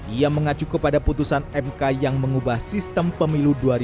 ia mengacu kepada putusan mk yang mengubah sistem pemilihan